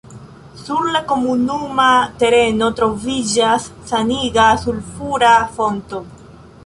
Sur la komunuma tereno troviĝas saniga sulfura fonto.